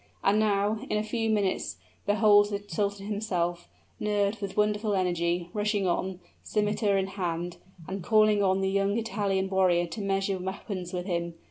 And now, in a few minutes, behold the sultan himself, nerved with wonderful energy, rushing on scimiter in hand and calling on the young Italian warrior to measure weapons with him.